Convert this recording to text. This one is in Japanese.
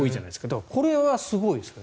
だから、これはすごいですね。